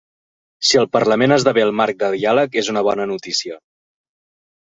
Si el parlament esdevé el marc de diàleg és una bona notícia.